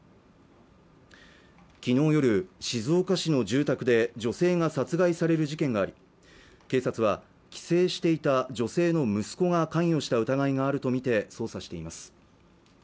昨日夜、静岡市の住宅で女性が殺害される事件があり警察は帰省していた女性の息子が関与した疑いがあるとみて捜査しています